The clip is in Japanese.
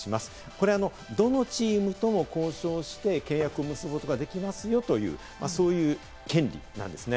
これはどのチームとの交渉して、契約を結ぶこともできますよという、そういう権利なんですね。